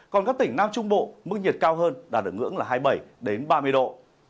còn các tỉnh nam trung bộ mức nhiệt cao hơn đạt được ngưỡng là hai mươi bảy ba mươi độ